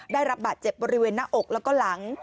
ได้รับบาดเจ็บบริเวณหน้าอกแล้วก็หลัง